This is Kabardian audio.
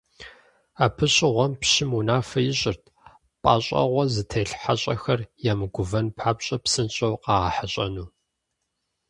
Абы щыгъуэм пщым унафэ ищӀырт - пӏащӏэгъуэ зытелъ хьэщӀэхэр ямыгувэн папщӏэ псынщӀэу къагъэхьэщӏэну.